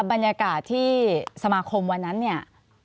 บรรยากาศที่สมาคมวันนั้นเนี่ย